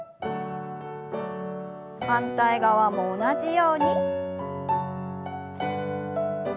反対側も同じように。